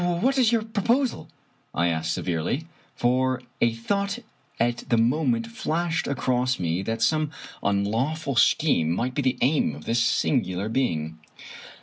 "What is your proposal?" I asked severely; for a thought at the moment flashed across me that some unlaw ful scheme might be the aim of this singular being.